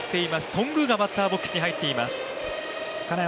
頓宮がバッターボックスに入っています。